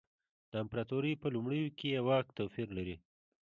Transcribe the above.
د امپراتورۍ په لومړیو کې یې واک توپیر لري.